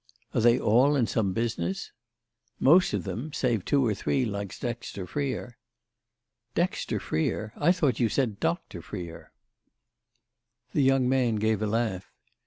"Are they all in some business?" "Most of them—save two or three like Dexter Freer." "'Dexter' Freer? I thought you said Doctor Freer." The young man gave a laugh.